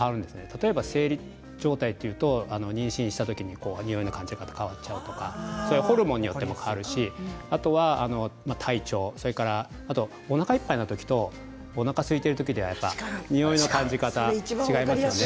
例えば生理状態というと妊娠した時に匂いの感じ方が変わったとかホルモンによっても変わるしあとは体調おなかがいっぱいの時とおなかがすいてる時で匂いの感じ方、違いますね。